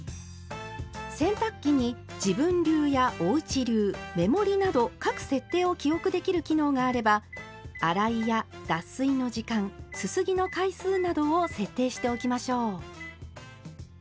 洗濯機に「自分流」や「おうち流」「メモリー」など各設定を記憶できる機能があれば洗いや脱水の時間すすぎの回数などを設定しておきましょう。